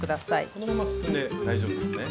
このまま進んで大丈夫ですね？